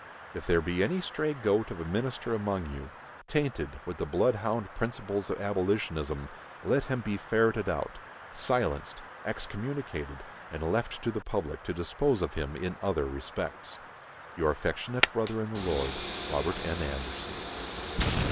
If there be any stray goat of a minister among you, tainted with the bloodhound principles of abolitionism, let him be ferreted out, silenced, excommunicated, and left to the public to dispose of him in other respects. Your affectionate brother in the Lord, ROBERT N. ANDERSON.